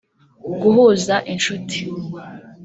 guhuza inshuti